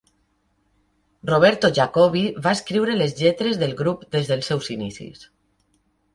Roberto Jacoby va escriure les lletres del grup des dels seus inicis.